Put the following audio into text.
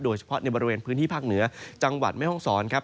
โดยเฉพาะในบริเวณพื้นที่ภาคเหนือจังหวัดแม่ห้องศรครับ